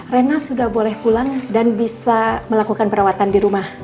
rena sudah boleh pulang dan bisa melakukan perawatan di rumah